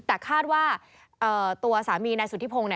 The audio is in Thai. แต่คาดว่าตัวสามีนายสุธิพงศ์